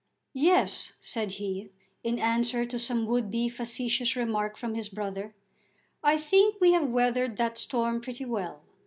"Yes," said he, in answer to some would be facetious remark from his brother, "I think we have weathered that storm pretty well.